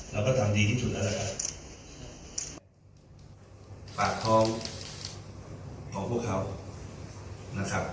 เราก็ทำดีที่สุดแล้วนะครับปากท้องของพวกเขานะครับ